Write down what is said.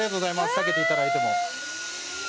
下げていただいても。